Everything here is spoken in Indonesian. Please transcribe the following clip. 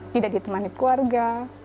tidak ditemani keluarga